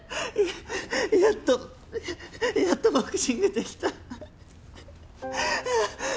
やっとやっとボクシングできた。